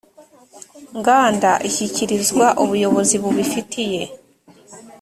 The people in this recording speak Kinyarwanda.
nganda ishyikirizwa ubuyobozi bubifitiye